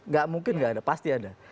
gak mungkin nggak ada pasti ada